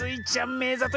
めざとい！